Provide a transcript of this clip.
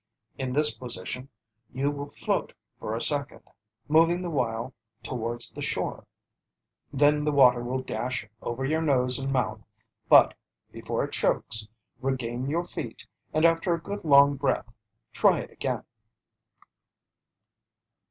In this position you will float for a second, moving the while towards the shore. Then the water will dash over your nose and mouth, but, before it chokes, regain your feet and after a good long breath, try it again.